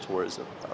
với chính phủ